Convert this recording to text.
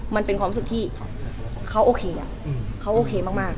มันเป็นความรู้สึกที่เขาโอเคเขาโอเคมาก